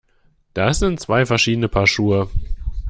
Das sind zwei verschiedene Paar Schuhe!